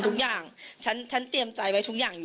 คุณสังคมยุติธรรมให้ไหม